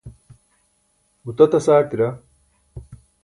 gutatas aartira